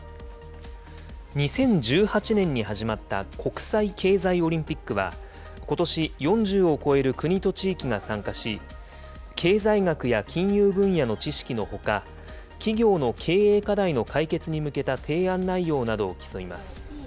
２０１８年に始まった国際経済オリンピックは、ことし、４０を超える国と地域が参加し、経済学や金融分野の知識のほか、企業の経営課題の解決に向けた提案内容などを競います。